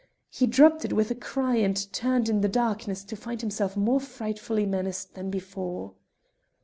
He dropped it with a cry, and turned in the darkness to find himself more frightfully menaced than before.